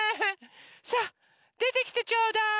さあでてきてちょうだい。